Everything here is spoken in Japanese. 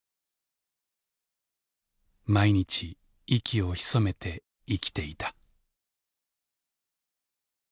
「毎日息を潜めて生きていた」。